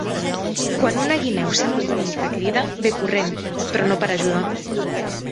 Quan una guineu sent un conill que crida ve corrent, però no per ajudar.